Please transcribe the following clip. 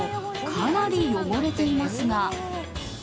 かなり汚れていますが。